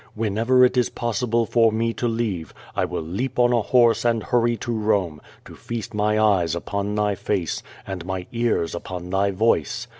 Whenever it is possible for me to leave, I will leap on a horse and hurry to Kome, to feast my eyes upon thy face, and my ears upon thy voice.